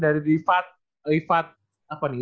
dari rifat rifat apa nih